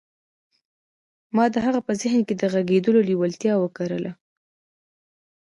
ما د هغه په ذهن کې د غږېدلو لېوالتیا وکرله